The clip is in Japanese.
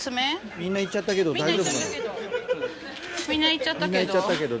みんな行っちゃったけど。